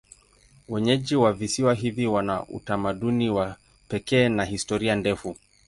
Wenyeji wa visiwa hivi wana utamaduni wa pekee na historia ndefu.